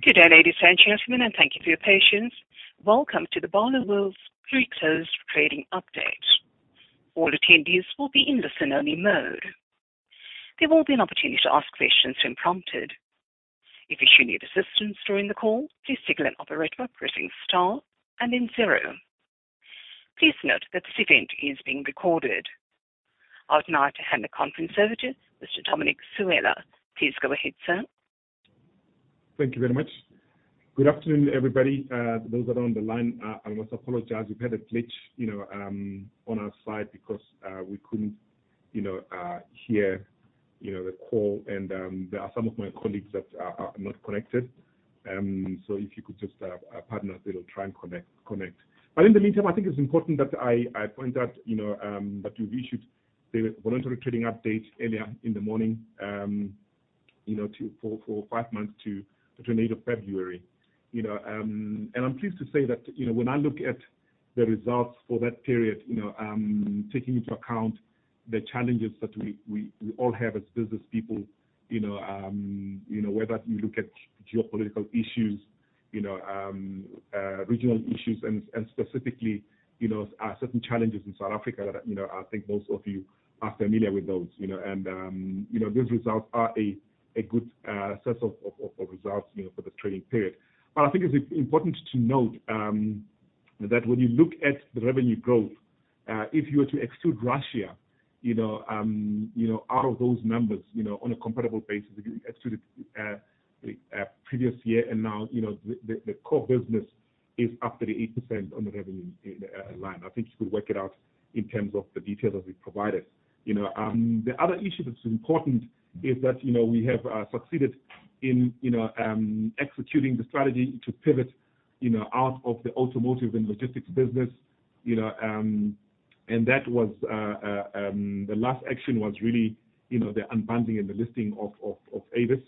Good day, ladies and gentlemen. Thank you for your patience. Welcome to the Barloworld's pre-closed trading update. All attendees will be in listen only mode. There will be an opportunity to ask questions when prompted. If you should need assistance during the call, please signal an operator by pressing star and then zero. Please note that this event is being recorded. I would now like to hand the conference over to Mr. Dominic Sewela. Please go ahead, sir. Thank you very much. Good afternoon, everybody. Those that are on the line, I must apologize. We've had a glitch, you know, on our side because we couldn't, you know, hear, you know, the call, and there are some of my colleagues that are not connected. So if you could just pardon us, they'll try and connect. In the meantime, I think it's important that I point out, you know, that we've issued the voluntary trading update earlier in the morning, you know, for five months to the February 28th. You know, I'm pleased to say that, you know, when I look at the results for that period, you know, taking into account the challenges that we all have as business people, you know, whether you look at geopolitical issues, you know, regional issues and specifically, you know, certain challenges in South Africa that, you know, I think most of you are familiar with those, you know. You know, these results are a good set of results, you know, for this trading period. I think it's important to note that when you look at the revenue growth, if you were to exclude Russia, you know, you know, out of those numbers, you know, on a comparable basis exclude it previous year, and now, you know, the core business is up 38% on the revenue line. I think you could work it out in terms of the details that we've provided, you know. The other issue that's important is that, you know, we have succeeded in, you know, executing the strategy to pivot, you know, out of the automotive and logistics business, you know, and that was the last action was really, you know, the unbundling and the listing of Avis,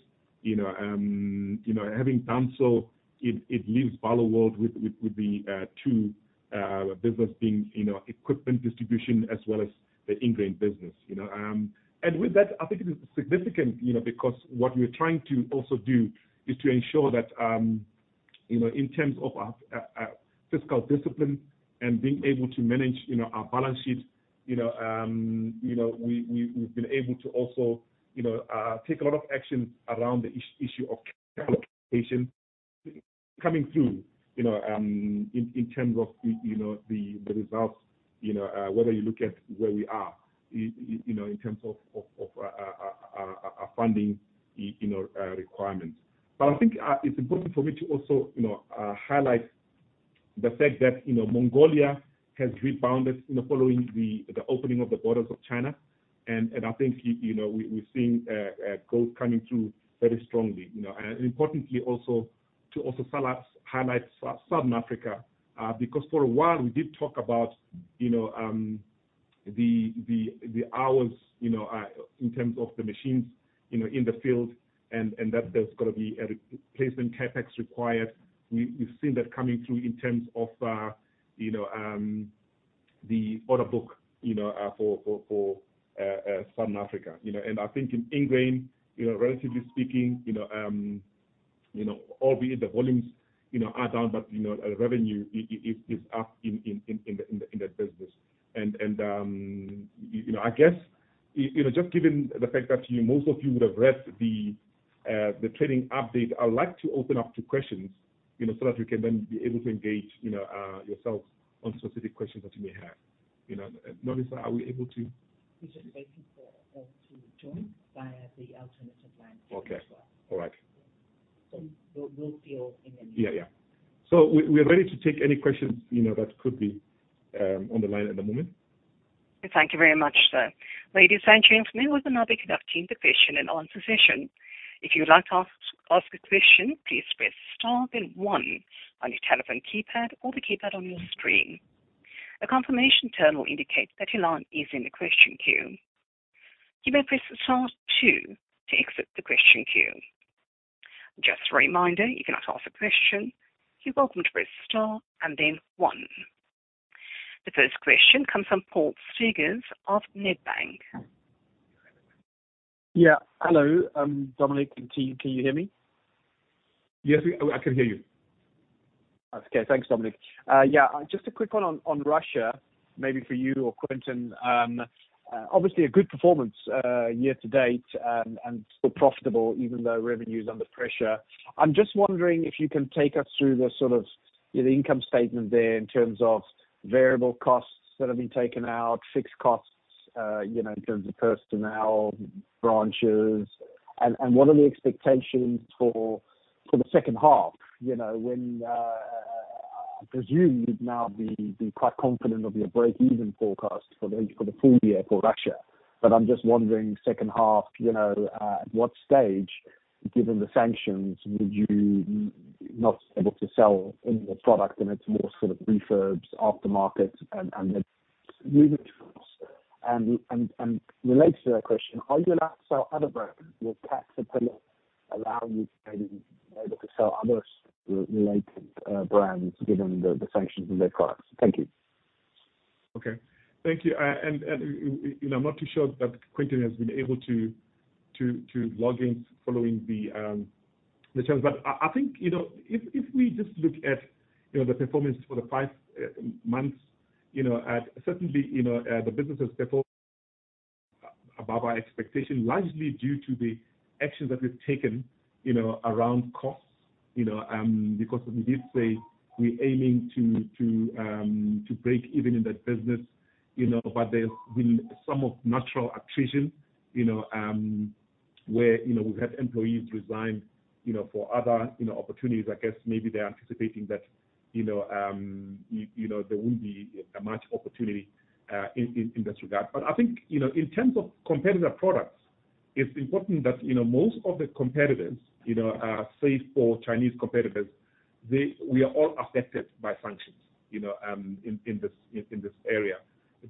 you know. You know, having done so, it leaves Barloworld with the two business being, you know, equipment distribution as well as the Ingrain business, you know. With that, I think it is significant, you know, because what we're trying to also do is to ensure that, you know, in terms of our fiscal discipline and being able to manage, you know, our balance sheet, you know, we've been able to also, you know, take a lot of action around the issue of allocation coming through, you know, in terms of the, you know, the results, you know, whether you look at where we are in, you know, in terms of a funding, you know, requirements. I think it's important for me to also, you know, highlight the fact that, you know, Mongolia has rebounded, you know, following the opening of the borders of China. I think, you know, we're seeing gold coming through very strongly, you know. Importantly also to also highlight Southern Africa because for a while we did talk about, you know, the hours, you know, in terms of the machines, you know, in the fields and that there's gonna be a replacement CapEx required. We've seen that coming through in terms of, you know, the order book, you know, for Southern Africa, you know. I think in Ingrain, you know, relatively speaking, you know, albeit the volumes, you know, are down, but you know, revenue is up in the business. I guess, you know, just given the fact that you, most of you would have read the trading update, I would like to open up to questions, you know, so that you can then be able to engage, you know, yourselves on specific questions that you may have. You know, Melissa, are we able to? We're just waiting for to join via the alternative line as well. Okay. All right. We'll be all in a minute. Yeah. Yeah. We're ready to take any questions, you know, that could be on the line at the moment. Thank you very much, sir. Ladies and gentlemen, we'll now be conducting the Q&A session. If you would like to ask a question, please press star then one on your telephone keypad or the keypad on your screen. A confirmation tone will indicate that your line is in the question queue. You may press star two to exit the question queue. Just a reminder, if you'd like to ask a question, you're welcome to press star and then one. The first question comes from Paul Steegers of Nedbank. Yeah. Hello, Dominic. Can you hear me? Yes, I can hear you. Okay. Thanks, Dominic. Yeah, just a quick one on Russia maybe for you or Quinton. Obviously a good performance year to date and still profitable even though revenue's under pressure. I'm just wondering if you can take us through the sort of the income statement there in terms of variable costs that have been taken out, fixed costs, you know, in terms of personnel, branches, and what are the expectations for the second half, you know, when I presume you'd now be quite confident of your break even forecast for the full year for Russia. I'm just wondering, second half, you know, at what stage, given the sanctions, would you not be able to sell any of the product and it's more sort of refurbs, aftermarket? Related to that question, are you allowed to sell other brands? Will Cat simply allow you to maybe be able to sell other related brands given the sanctions on their products? Thank you. Okay. Thank you. You know, I'm not too sure that Quinton has been able to log in following the challenge. I think, you know, if we just look at, you know, the performance for the five months, you know, certainly, you know, the business has therefore above our expectation, largely due to the actions that we've taken, you know, around costs, you know, because as we did say, we're aiming to break even in that business, you know, there's been some of natural attrition, you know, where, you know, we've had employees resign, you know, for other, you know, opportunities. I guess maybe they're anticipating that, you know, you know, there won't be a much opportunity in that regard. I think, you know, in terms of competitor products, it's important that, you know, most of the competitors, you know, are save for Chinese competitors. We are all affected by sanctions, you know, in this area.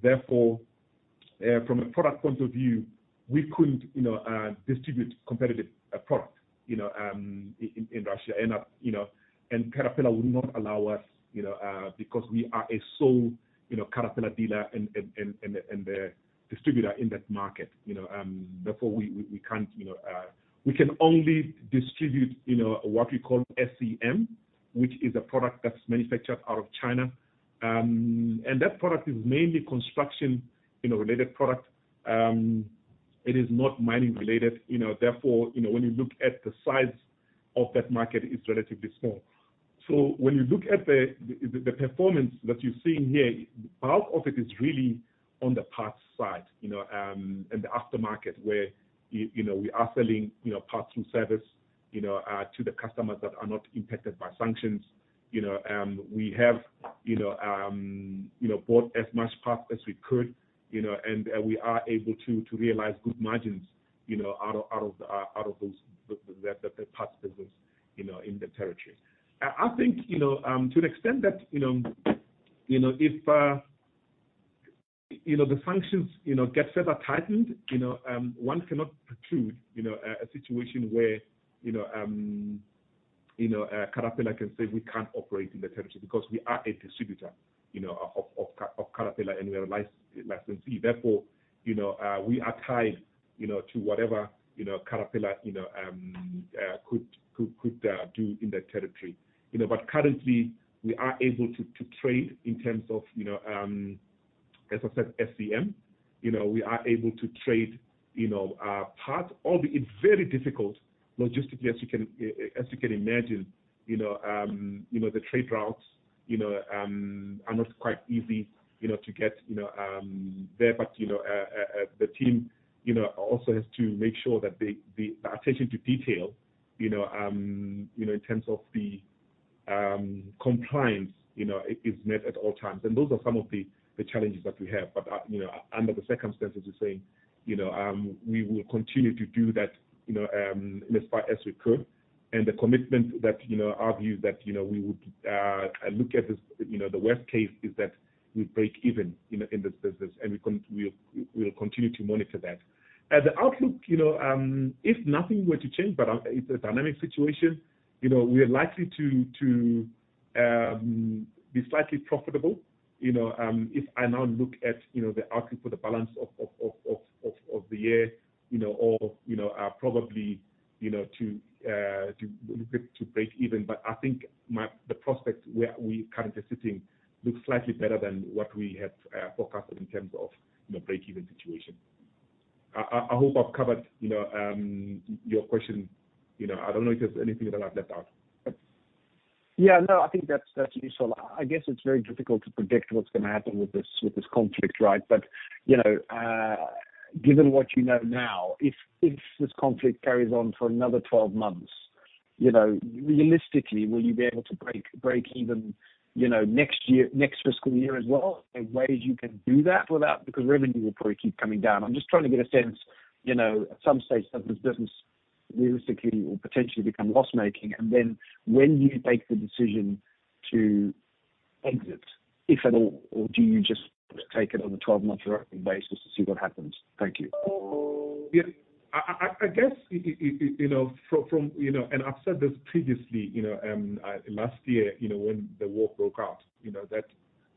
From a product point of view, we couldn't, you know, distribute competitive product, you know, in Russia. Caterpillar would not allow us, you know, because we are a sole, you know, Caterpillar dealer and the distributor in that market, you know, therefore we can't, you know. We can only distribute, you know, what we call SEM, which is a product that's manufactured out of China. That product is mainly construction, you know, related product. It is not mining related, you know, therefore, you know, when you look at the size of that market, it's relatively small. When you look at the performance that you're seeing here, part of it is really on the parts side, you know, and the aftermarket where you know, we are selling, you know, parts and service, you know, to the customers that are not impacted by sanctions. You know, we have, you know, you know, bought as much parts as we could, you know, and we are able to realize good margins, you know, out of those, the parts business, you know, in the territory. I think, you know, to an extent that, you know, you know, if, you know, the sanctions, you know, get further tightened, you know, one cannot preclude, you know, a situation where, you know, you know, Caterpillar can say we can't operate in the territory because we are a distributor, you know, of Caterpillar, and we are a licensee. Therefore, you know, we are tied, you know, to whatever, you know, Caterpillar, you know, could do in that territory. You know, currently we are able to trade in terms of, you know, as I said, SEM. You know, we are able to trade, you know, parts, albeit it's very difficult logistically, as you can imagine. You know, the trade routes, you know, are not quite easy to get there. The team, you know, also has to make sure that the attention to detail, you know, in terms of the compliance is met at all times. Those are some of the challenges that we have. Under the circumstances we're saying, you know, we will continue to do that in as far as we could. The commitment that, you know, argues that, you know, we would look at this, the worst case is that we break even in this business. We'll continue to monitor that. At the outlook, you know, if nothing were to change, but it's a dynamic situation, you know, we are likely to be slightly profitable. You know, if I now look at, you know, the outlook for the balance of the year, you know, or, you know, probably, you know, to break even. I think the prospects where we currently sitting looks slightly better than what we had forecasted in terms of the break even situation. I hope I've covered, you know, your question, you know. I don't know if there's anything that I've left out. Yeah, no, I think that's useful. I guess it's very difficult to predict what's gonna happen with this, with this conflict, right? You know, given what you know now, if this conflict carries on for another 12 months, you know, realistically, will you be able to break even, you know, next year, next fiscal year as well? Are there ways you can do that? Because revenue will probably keep coming down. I'm just trying to get a sense, you know, at some stage that this business realistically or potentially become loss-making. Then when do you take the decision to exit, if at all, or do you just take it on a 12-month rolling basis to see what happens? Thank you. Yeah. I guess, you know, from, you know, and I've said this previously, you know, last year, you know, when the war broke out, you know, that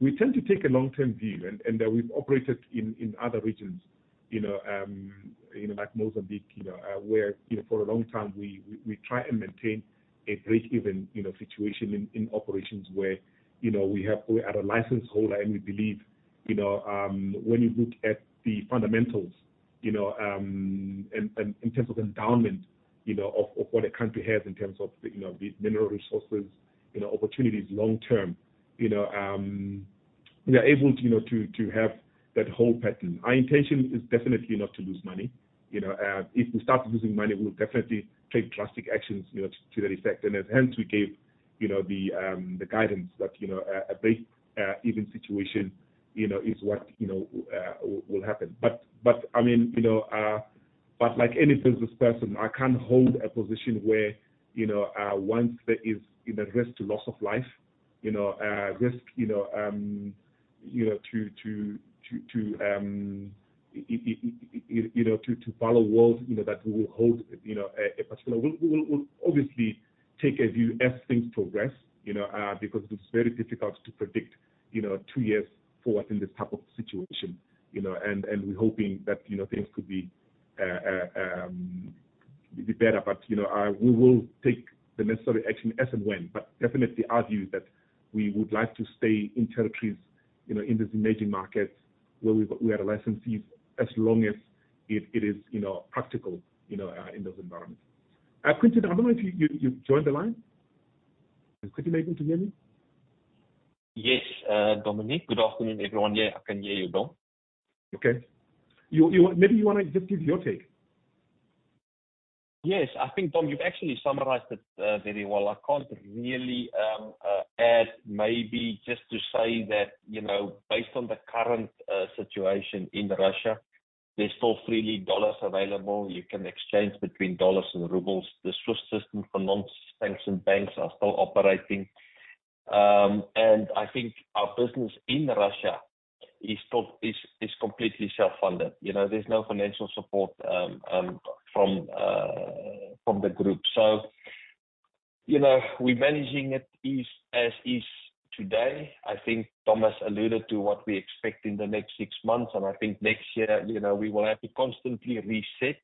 we tend to take a long-term view and that we've operated in other regions, you know, you know, like Mozambique, you know, where, you know, for a long time we try and maintain a break even, you know, situation in operations where, you know, we are a license holder, and we believe, you know, when you look at the fundamentals, you know, in terms of endowment, you know, of what a country has in terms of, you know, the mineral resources, you know, opportunities long term, you know, we are able to, you know, to have that whole pattern. Our intention is definitely not to lose money. You know, if we start losing money, we'll definitely take drastic actions, you know, to that effect. As hence we gave, you know, the guidance that, you know, a break even situation, you know, is what, you know, will happen. I mean, you know, like any business person, I can't hold a position where, you know, once there is a risk to loss of life, you know, risk, you know, to you know, to follow wars, you know, that we will hold, you know, a particular. We'll obviously take a view as things progress, you know, because it's very difficult to predict, you know, two years forward in this type of situation, you know. We're hoping that, you know, things could be better. You know, we will take the necessary action as and when. Definitely argue that we would like to stay in territories, you know, in these emerging markets where we had a licensees as long as it is, you know, practical, you know, in those environments. Quinton, I don't know if you've joined the line. Is Quinton able to hear me? Yes, Dominic. Good afternoon, everyone. Yeah, I can hear you, Dom. Okay. You want? Maybe you wanna just give your take. Yes. I think, Dom, you've actually summarized it, very well. I can't really, add maybe just to say that, you know, based on the current, situation in Russia, there's still freely dollars available. You can exchange between dollars and rubles. The SWIFT system for non-sanctioned banks are still operating. I think our business in Russia is still completely self-funded. You know, there's no financial support, from the group. So, you know, we managing it is as is today. I think Dom has alluded to what we expect in the next six months, and I think next year, you know, we will have to constantly reset,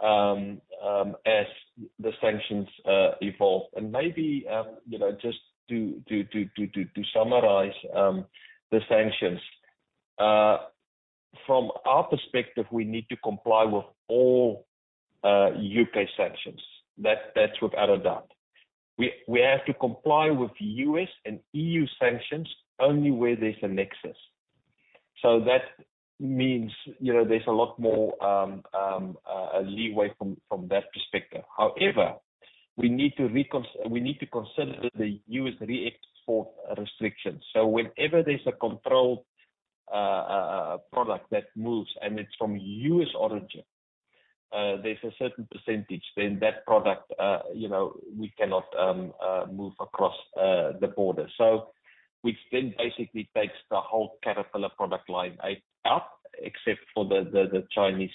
as the sanctions, evolve. Maybe, you know, just to summarize, the sanctions. From our perspective, we need to comply with all U.K. sanctions. That's without a doubt. We have to comply with U.S. and E.U. sanctions only where there's a nexus. That means, you know, there's a lot more a leeway from that perspective. However, we need to consider the U.S. re-export restrictions. Whenever there's a controlled product that moves and it's from U.S. origin, there's a certain percentage then that product, you know, we cannot move across the border. Which then basically takes the whole Caterpillar product line out except for the Chinese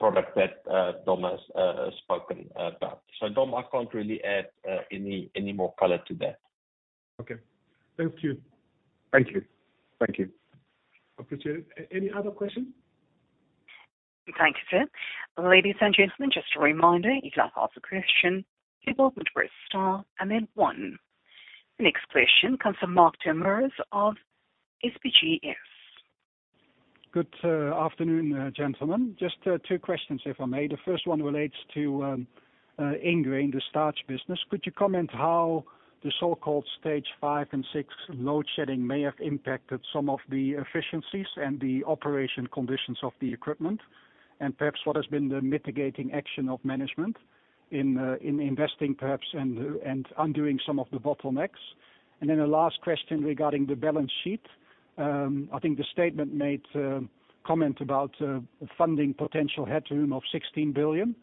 product that Dom has spoken about. Dom, I can't really add any more color to that. Okay. Thank you. Thank you. Thank you. Appreciate it. Any other question? Thank you, sir. Ladies and gentlemen, just a reminder, if you'd like to ask a question, you'll want to press star and then one. Next question comes from Mark Dewar of SBG Securities. Good afternoon, gentlemen. Just two questions, if I may. The first one relates to Ingrain, the starch business. Could you comment how the so-called stage 5 and 6 load shedding may have impacted some of the efficiencies and the operation conditions of the equipment? Perhaps what has been the mitigating action of management in investing perhaps and undoing some of the bottlenecks. A last question regarding the balance sheet. I think the statement made comment about funding potential headroom of 16 billion.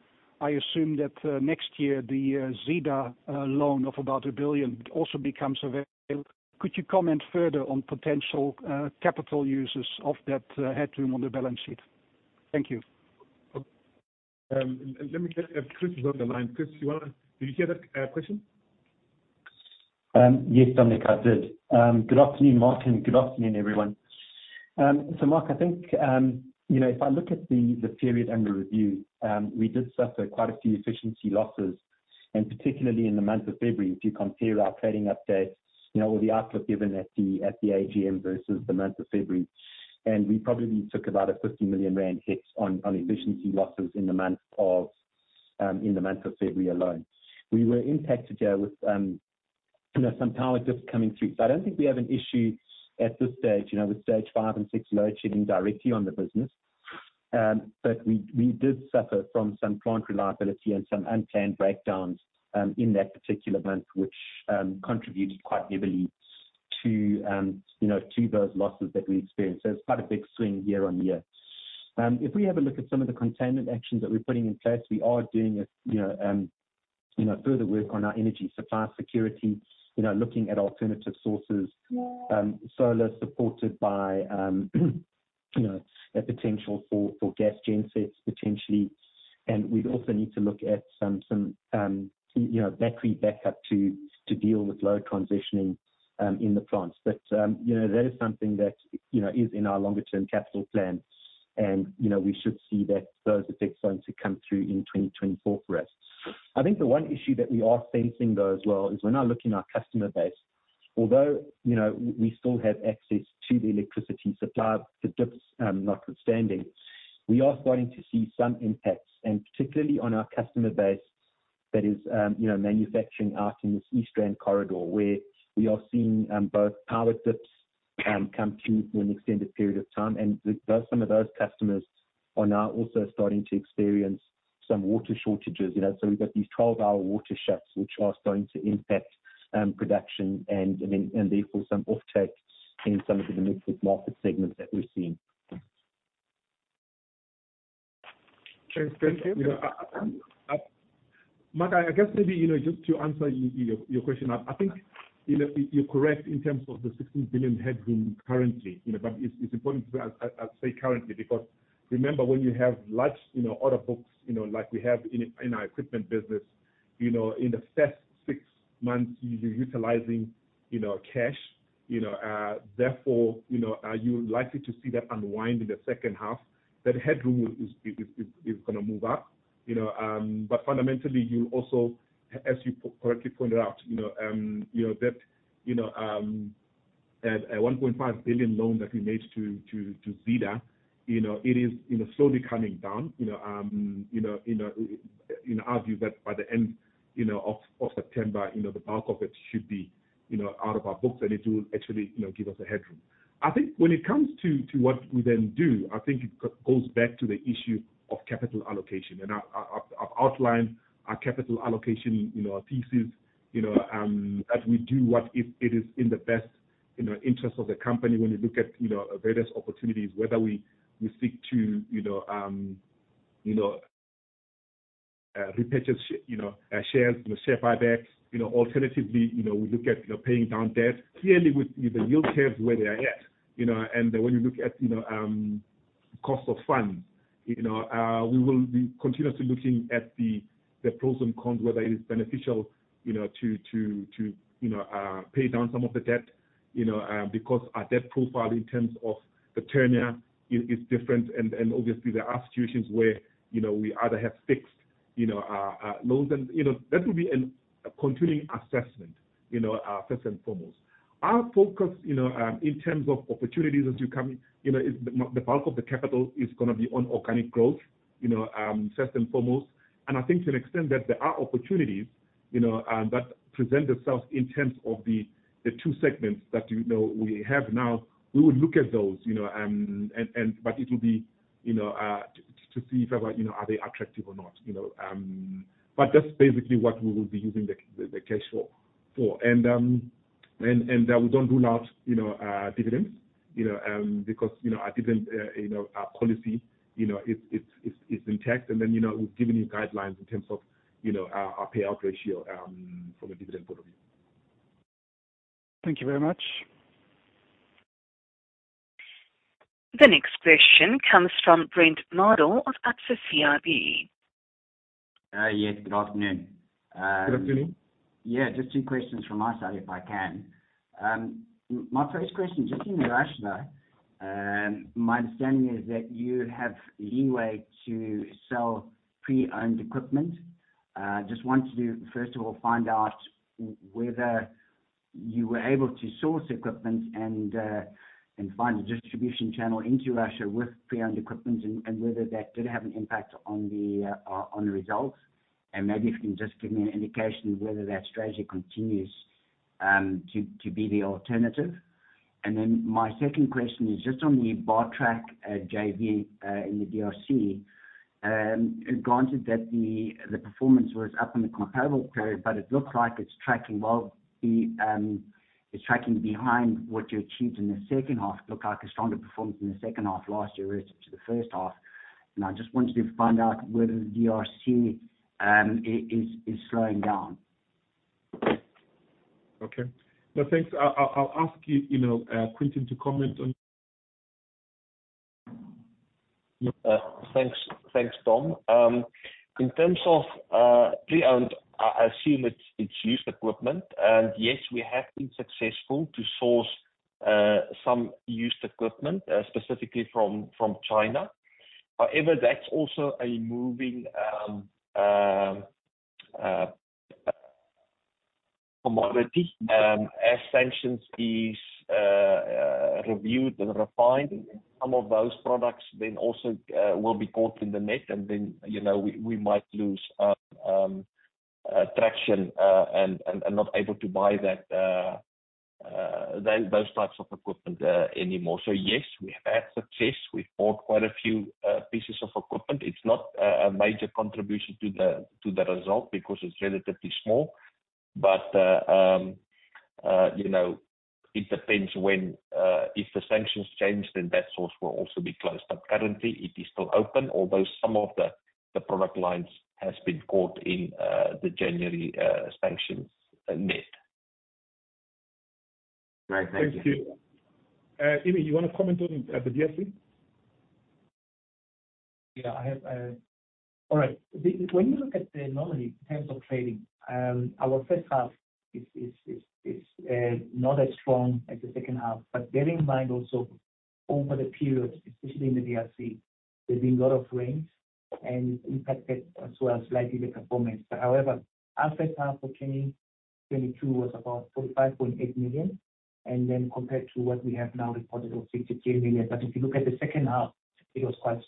I assume that next year, the Zeda loan of about 1 billion also becomes available. Could you comment further on potential capital uses of that headroom on the balance sheet? Thank you. Let me get. If Chris is on the line. Chris, do you hear that question? Yes, Dominic, I did. Good afternoon, Mark, and good afternoon, everyone. Mark, if I look at the period under review, we did suffer quite a few efficiency losses, particularly in the month of February. If you compare our trading update with the outlook given at the AGM versus the month of February, we probably took about a 50 million rand hit on efficiency losses in the month of February alone. We were impacted there with some power dips coming through. I don't think we have an issue at this stage with stage 5 and 6 load shedding directly on the business. We did suffer from some plant reliability and some unplanned breakdowns in that particular month, which contributed quite heavily to, you know, to those losses that we experienced. It's quite a big swing year-on-year. If we have a look at some of the containment actions that we're putting in place, we are doing a, you know, further work on our energy supply security, you know, looking at alternative sources, solar supported by, you know, a potential for gas gen sets potentially. We'd also need to look at some, you know, battery backup to deal with load transitioning in the plants. you know, that is something that, you know, is in our longer term capital plan and, you know, we should see that those effects going to come through in 2024 for us. I think the one issue that we are facing though as well is when I look in our customer base, although, you know, we still have access to the electricity supply, the dips, notwithstanding, we are starting to see some impacts, and particularly on our customer base that is, you know, manufacturing out in this East Rand corridor, where we are seeing both power dips come through for an extended period of time. some of those customers are now also starting to experience some water shortages, you know. We've got these 12-hour water shuts which are starting to impact production and, I mean, and therefore some offtake in some of the mixed good market segments that we're seeing. Okay. Thank you. Yeah. Mark, I guess maybe, you know, just to answer your question. You know, you're correct in terms of the 16 billion headroom currently, you know. It's important to say currently, because remember when you have large, you know, order books, you know, like we have in our equipment business, you know, in the first six months, you're utilizing, you know, cash. You know, therefore, you know, you're likely to see that unwind in the second half. That headroom is gonna move up, you know. Fundamentally, you'll also, as you correctly pointed out, you know, you know, that, you know, a 1.5 billion loan that we made to Zeda, you know, it is, you know, slowly coming down, you know. In our view that by the end of September, the bulk of it should be out of our books, and it will actually give us a headroom. I think when it comes to what we then do, I think it goes back to the issue of capital allocation. I've outlined our capital allocation, our thesis, as we do what is in the best interest of the company when we look at various opportunities, whether we seek to repurchase shares, share buybacks. Alternatively, we look at paying down debt. Clearly, with the yield curves where they are at, you know, and when you look at, you know, cost of funds, you know, we will be continuously looking at the pros and cons, whether it is beneficial, you know, to pay down some of the debt, you know, because our debt profile in terms of the tenure is different. Obviously there are situations where, you know, we either have fixed, you know, loans and. You know, that will be an, a continuing assessment, you know, first and foremost. Our focus, you know, in terms of opportunities as you come, you know, is the bulk of the capital is gonna be on organic growth, you know, first and foremost. I think to an extent that there are opportunities, you know, that present themselves in terms of the two segments that, you know, we have now. We will look at those, you know, and but it will be, you know, to see if ever, you know, are they attractive or not, you know. That's basically what we will be using the cashflow for. We don't rule out, you know, dividends, you know. Because, you know, our dividend, you know, our policy, you know, it's intact. We've given you guidelines in terms of, you know, our payout ratio from a dividend point of view. Thank you very much. The next question comes from Brent Madel of Absa CIB. Yes, good afternoon. Good afternoon. Yeah, just two questions from my side if I can. My first question, just in Russia, my understanding is that you have leeway to sell pre-owned equipment. Just wanted to, first of all, find out whether you were able to source equipment and find a distribution channel into Russia with pre-owned equipment and whether that did have an impact on the results. Maybe if you can just give me an indication of whether that strategy continues to be the alternative. My second question is just on the Bartrac JV in the DRC. Granted that the performance was up in the comparable period, but it looks like it's tracking behind what you achieved in the second half. Looked like a stronger performance in the second half last year versus to the first half. I just wanted to find out whether the DRC is slowing down. Okay. No thanks. I'll ask you know, Quinton to comment on Thanks. Thanks, Dom. In terms of pre-owned, I assume it's used equipment. Yes, we have been successful to source some used equipment specifically from China. However, that's also a moving commodity. As sanctions is reviewed and refined, some of those products then also will be caught in the net and then, you know, we might lose traction and not able to buy that those types of equipment anymore. Yes, we have had success. We've bought quite a few pieces of equipment. It's not a major contribution to the result because it's relatively small. You know, it depends when if the sanctions change then that source will also be closed. Currently it is still open, although some of the product lines has been caught in, the January, sanctions net. Right. Thank you. Thank you. Emmy, you wanna comment on the DRC? Yeah, I have. All right. When you look at the anomaly in terms of trading, our first half is not as strong as the second half. Bear in mind also over the periods, especially in the DRC, there's been a lot of rains and impacted as well slightly the performance. However, our first half for 2022 was about 45.8 million, and then compared to what we have now reported of 62 million. If you look at the second half, it was quite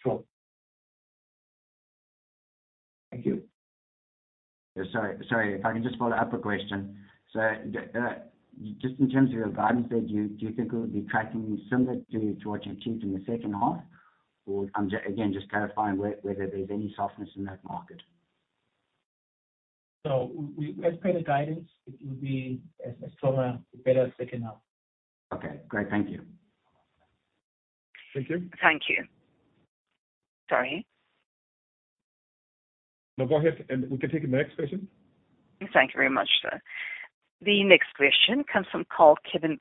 strong. Thank you. Sorry. If I can just follow up a question. Just in terms of your guidance there, do you think it would be tracking similar to what you achieved in the second half? I'm just, again, just clarifying whether there's any softness in that market. We, as per the guidance, it will be a stronger, a better second half. Okay, great. Thank you. Thank you. Thank you. Sorry. No, go ahead, and we can take the next question. Thank you very much, sir. The next question comes from Kyle Cowan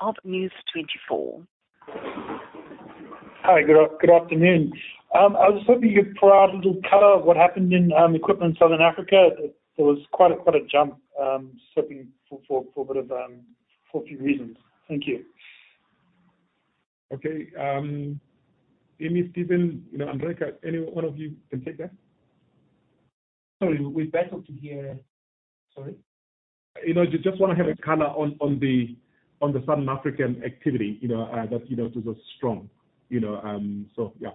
of News24. Hi. Good afternoon. I was hoping you could provide a little color of what happened in Equipment Southern Africa. There was quite a jump, just looking for a bit of for a few reasons. Thank you. Okay. Emmy, Steven, you know, Andronicca, any one of you can take that. Sorry, we're battling to hear. Sorry. You know, we just wanna have a color on the, on the Southern African activity, you know, that, you know, it was strong, you know. Yeah.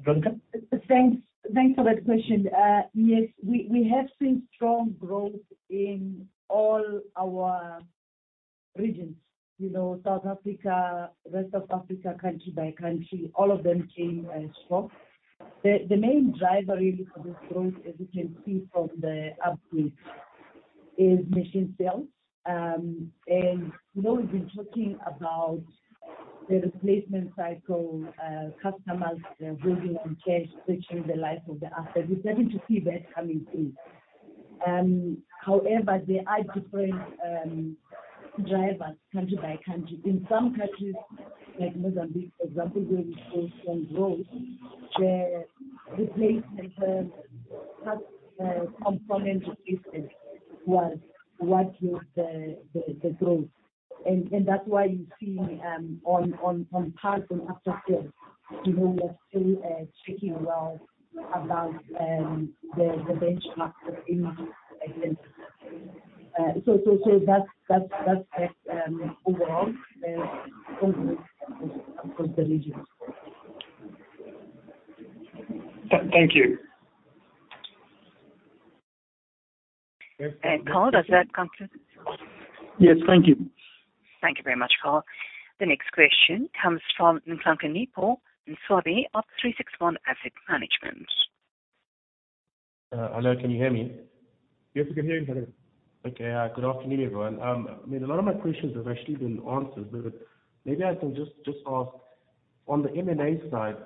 Andronicca? Thanks. Thanks for that question. Yes, we have seen strong growth in all our regions. You know, South Africa, rest of Africa, country by country, all of them came strong. The main driver really for this growth, as you can see from the upgrades, is machine sales. You know we've been talking about the replacement cycle, customers, they're holding on cash, stretching the life of the asset. We're starting to see that coming through. However, there are different drivers country by country. In some countries, like Mozambique, for example, where we saw strong growth, the replacement component business was what drove the growth. That's why you see on parts and after-sales, you know, we are still tracking well above the benchmarks that Emmy mentioned earlier. That's that, overall, across the region. Thank you. Kyle, does that conclude? Yes. Thank you. Thank you very much, Kyle. The next question comes from Nhlanhla Nipho Nxumalo of 36ONE Asset Management. Hello, can you hear me? Yes, we can hear you, Nhlanhla. Okay. Good afternoon, everyone. I mean, a lot of my questions have actually been answered, maybe I can just ask on the M&A side,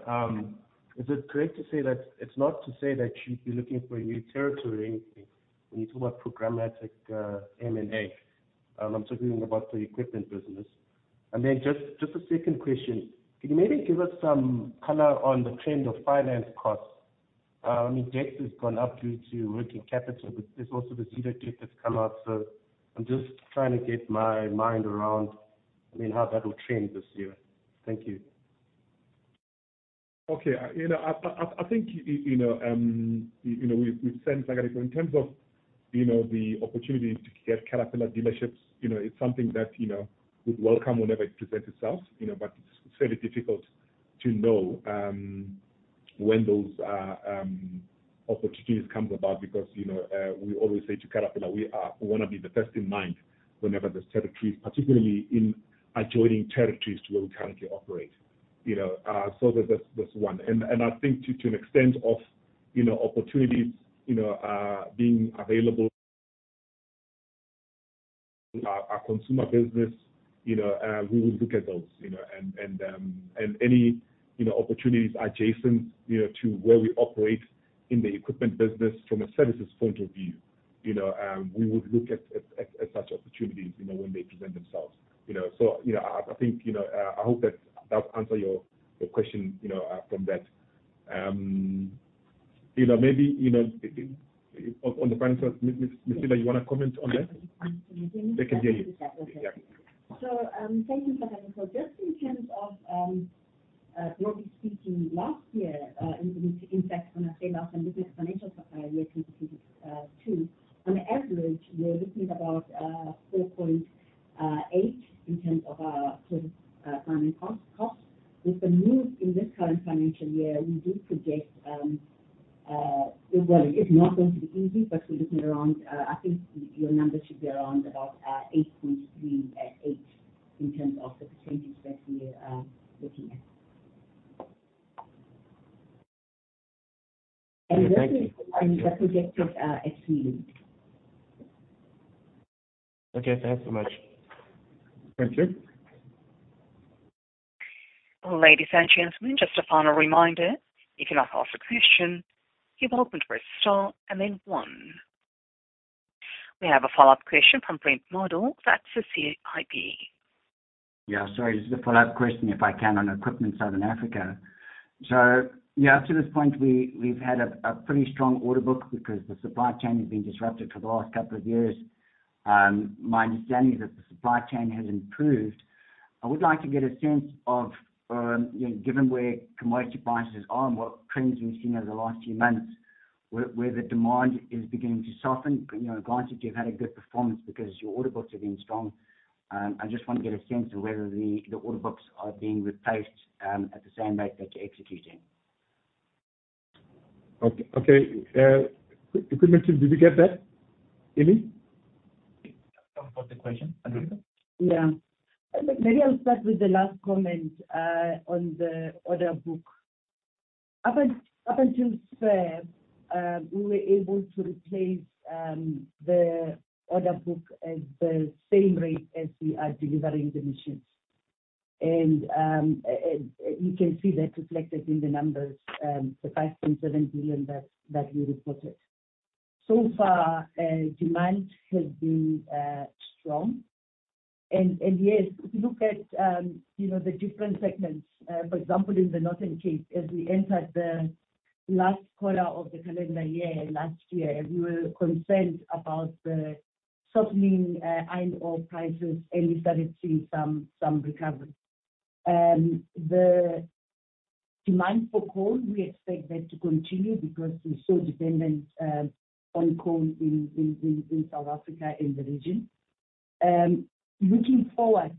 is it correct to say that it's not to say that you'd be looking for a new territory or anything when you talk about programmatic M&A? I'm talking about the equipment business. Just a second question. Could you maybe give us some color on the trend of finance costs? I mean, debt has gone up due to working capital, there's also the Zeda debt that's come out. I'm just trying to get my mind around, I mean, how that will trend this year. Thank you. Okay. You know, I think, you know, you know, we've said, Nhlanhla, in terms of, you know, the opportunity to get Caterpillar dealerships, you know, it's something that, you know, we'd welcome whenever it presents itself, you know. It's fairly difficult to know when those opportunities come about because, you know, we always say to Caterpillar, we wanna be the best in mind whenever there's territories, particularly in adjoining territories to where we currently operate, you know. So that's one. I think to an extent of, you know, opportunities, being available, our consumer business, we would look at those, you know. Any, you know, opportunities adjacent, you know, to where we operate in the equipment business from a services point of view, you know, we would look at such opportunities, you know, when they present themselves, you know. You know, I think, you know, I hope that's, that'll answer your question, you know, from that. You know, maybe, you know, on the finance side, Nopasika Lila, you wanna comment on that? They can hear you. Uh, Nhlanhla. So, just in terms of globally speaking, last year, in fact, on a sales and business financial year 2022, on average, we're looking at about 4.8% in terms of our total funding costs. With the move in this current financial year, we do project, well, it's not going to be easy, but we're looking around, I think your number should be around about 8.38% in terms of the percentage that we are looking at. Thank you. Those are the projected exceeds. Okay, thanks so much. Thank you. Ladies and gentlemen, just a final reminder. If you would like to ask a question, you're welcome to press star and then one. We have a follow-up question from Brent Madel. That's the CIB. Sorry. Just a follow-up question, if I can, on Equipment southern Africa. Up to this point, we've had a pretty strong order book because the supply chain has been disrupted for the last couple of years. My understanding is that the supply chain has improved. I would like to get a sense of, you know, given where commodity prices are and what trends we've seen over the last few months, where the demand is beginning to soften. You know, granted, you've had a good performance because your order books have been strong. I just want to get a sense of whether the order books are being replaced at the same rate that you're executing. Okay. equipment team, did you get that? Emmy? What was the question, Andronicca? Yeah. Maybe I'll start with the last comment on the order book. Up until February, we were able to replace the order book at the same rate as we are delivering the machines. You can see that reflected in the numbers, the 5.7 billion that we reported. So far, demand has been strong. Yes, if you look at, you know, the different segments, for example, in the Northern Cape, as we entered the last quarter of the calendar year last year, we were concerned about the softening iron ore prices, and we started seeing some recovery. The demand for coal, we expect that to continue because we're so dependent on coal in South Africa and the region. Looking forward,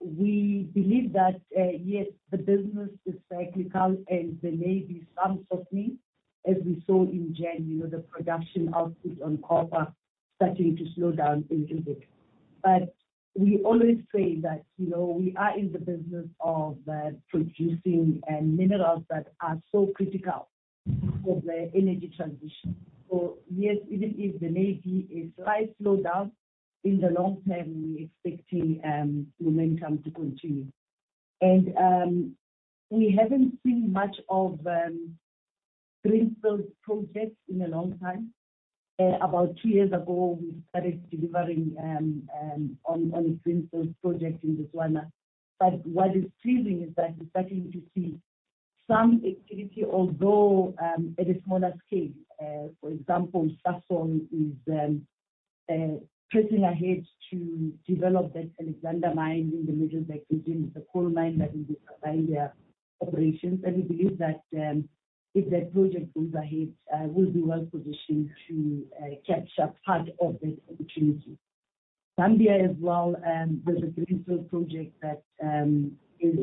we believe that yes, the business is cyclical and there may be some softening as we saw in January, you know, the production output on copper starting to slow down a little bit. We always say that, you know, we are in the business of producing minerals that are so critical for the energy transition. Yes, even if there may be a slight slowdown, in the long term, we're expecting momentum to continue. We haven't seen much of greenfield projects in a long time. About two years ago, we started delivering on a greenfield project in Botswana. What is pleasing is that we're starting to see some activity although at a smaller scale. For example, Sasol is pressing ahead to develop that Alexander project in the middle of that region, the coal mine that will be supplying their operations. We believe that, if that project goes ahead, we'll be well-positioned to capture part of that opportunity. Zambia as well, there's a greenfield project that is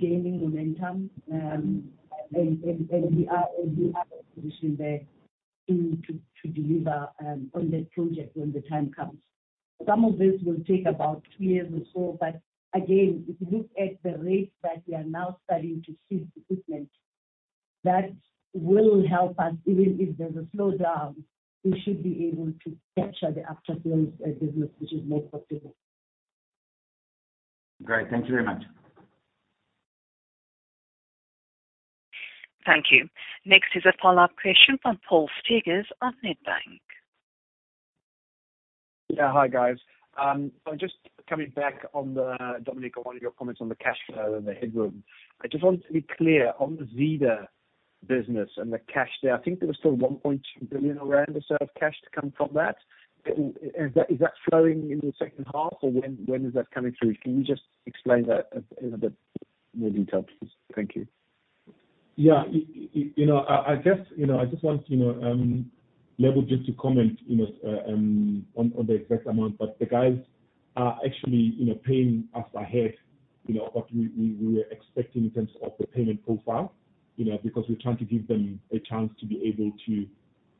gaining momentum. We are positioned there to deliver on that project when the time comes. Some of this will take about two years or so. Again, if you look at the rate that we are now starting to see equipment, that will help us even if there's a slowdown, we should be able to capture the aftersales business, which is more profitable. Great. Thank you very much. Thank you. Next is a follow-up question from Paul Steegers of Nedbank. Yeah. Hi, guys. Just coming back on the, Dominic, on one of your comments on the cash flow and the headroom. I just wanted to be clear on the Zeda business and the cash there. I think there was still 1 billion or so of cash to come from that. Is that, is that flowing in the second half or when is that coming through? Can you just explain that in a bit more detail, please? Thank you. Yeah. You know, I just, you know, I just want to, you know, level just to comment, you know, on the exact amount. The guys are actually, you know, paying us ahead, you know, what we were expecting in terms of the payment profile. You know, because we're trying to give them a chance to be able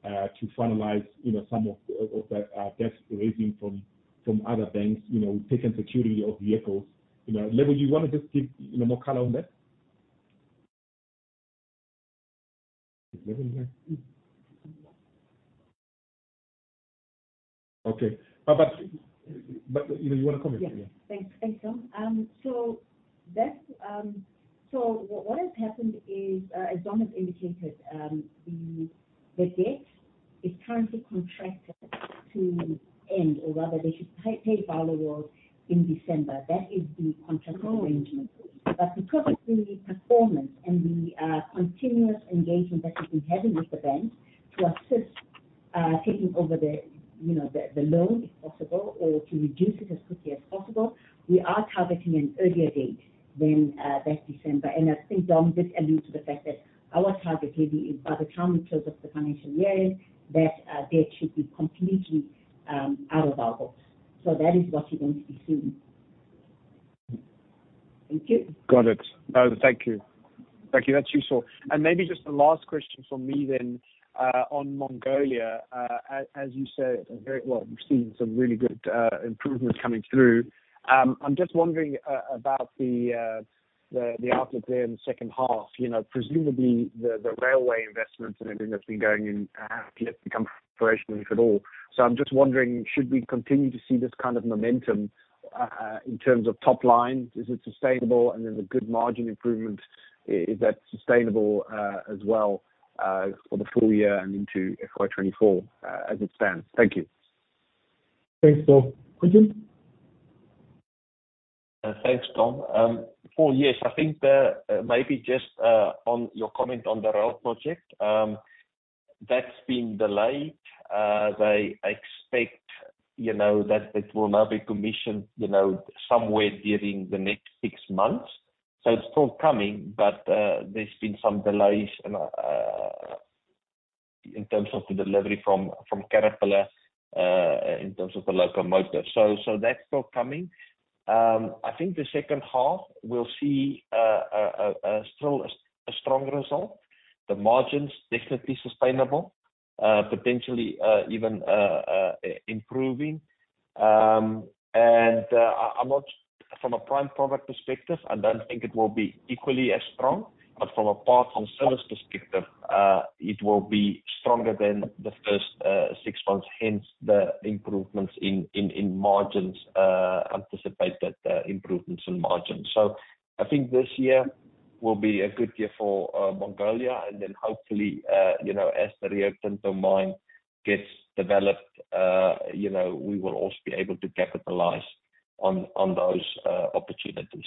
to finalize, you know, some of that debt raising from other banks, you know, taking security of vehicles. You know, level, you wanna just give, you know, more color on that? Is Lila here? Okay. You know, you wanna comment? Yeah. Thanks. Thanks, Dom. That's what has happened is, as Dom has indicated, the debt is currently contracted to end or rather they should pay Barloworld in December. That is the contract arrangement. Because of the performance and the continuous engagement that we've been having with the bank to assist, taking over the loan if possible or to reduce it as quickly as possible, we are targeting an earlier date than that December. I think Dom did allude to the fact that our target will be by the time we close up the financial year, that debt should be completely out of our books. That is what you're going to be seeing. Thank you. Got it. No, thank you. Thank you. That's useful. Maybe just a last question from me then, on Mongolia. As you said, and very well, we've seen some really good improvements coming through. I'm just wondering about the, the outlet there in the second half. You know, presumably the railway investments and everything that's been going in have yet to become operational, if at all. I'm just wondering, should we continue to see this kind of momentum in terms of top line? Is it sustainable and is the good margin improvement, is that sustainable as well for the full year and into FY 2024 as it stands? Thank you. Thanks, Paul. Quinton? Thanks, Dom. Paul, yes. I think maybe just on your comment on the rail project, that's been delayed. They expect, you know, that it will now be commissioned, you know, somewhere during the next six months. It's still coming, but there's been some delays and in terms of the delivery from Caterpillar in terms of the locomotive. That's still coming. I think the second half we'll see still a strong result. The margin's definitely sustainable, potentially even improving. I'm not from a prime product perspective, I don't think it will be equally as strong. From a parts and service perspective, it will be stronger than the first six months, hence the improvements in margins, anticipated improvements in margins. I think this year will be a good year for Mongolia. Hopefully, you know, as the Rio Tinto mine gets developed, you know, we will also be able to capitalize on those opportunities.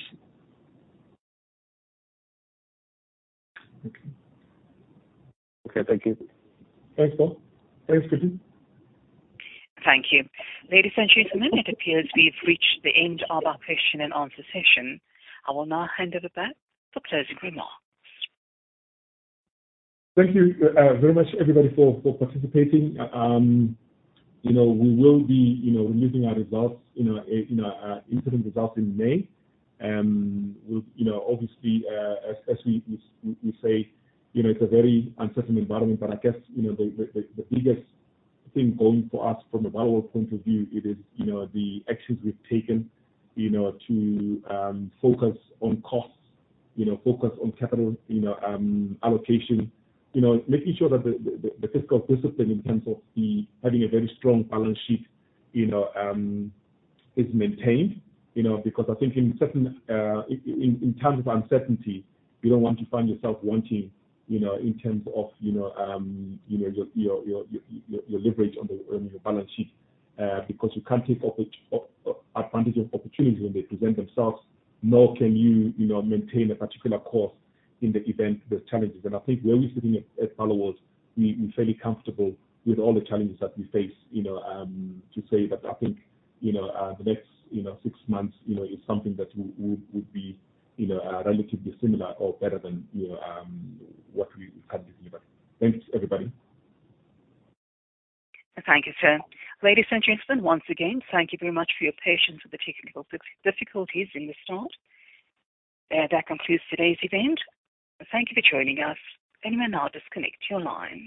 Okay. Thank you. Thanks, Paul. Thanks, Quinton. Thank you. Ladies and gentlemen, it appears we've reached the end of our Q&A session. I will now hand over back for closing remarks. Thank you very much everybody for participating. You know, we will be, you know, releasing our results, you know, in our, in our interim results in May. We'll, you know, obviously, we say, you know, it's a very uncertain environment. I guess, you know, the biggest thing going for us from a Barloworld point of view it is, you know, the actions we've taken, you know, to focus on costs, you know, focus on capital, you know, allocation. You know, making sure that the fiscal discipline in terms of the having a very strong balance sheet, you know, is maintained. You know, because I think in certain terms of uncertainty, you don't want to find yourself wanting, you know, in terms of, you know, your leverage on your balance sheet. Because you can't take advantage of opportunities when they present themselves, nor can you know, maintain a particular course in the event there's challenges. I think where we're sitting at Barloworld, we're fairly comfortable with all the challenges that we face, you know, to say that I think, you know, the next, you know, 6 months, you know, is something that we would be, you know, relatively similar or better than, you know, what we have delivered. Thanks, everybody. Thank you, sir. Ladies and gentlemen, once again, thank you very much for your patience with the technical difficulties in the start. That concludes today's event. Thank you for joining us. You may now disconnect your line.